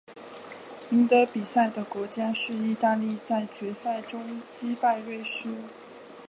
赢得比赛的国家是意大利在决赛中击败瑞士。